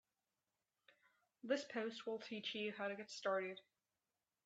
This post will teach you how to get started.